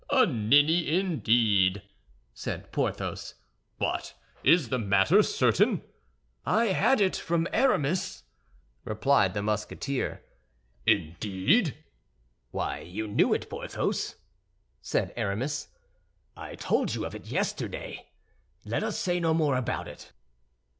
"A ninny, indeed!" said Porthos; "but is the matter certain?" "I had it from Aramis," replied the Musketeer. "Indeed?" "Why, you knew it, Porthos," said Aramis. "I told you of it yesterday. Let us say no more about it."